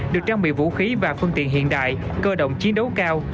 được trang bị vũ khí và phương tiện hiện đại cơ động chiến đấu cao